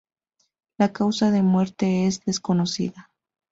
La causa de muerte es desconocida.